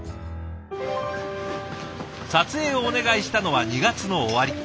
撮影をお願いしたのは２月の終わり。